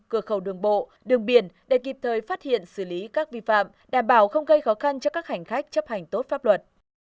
cửa khẩu đường bộ đường biển để kịp thời phát hiện xử lý các vi phạm đảm bảo không gây khó khăn cho các hành khách chấp hành tốt pháp luật